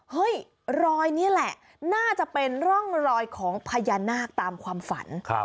รอยนี่แหละน่าจะเป็นร่องรอยของพญานาคตามความฝัน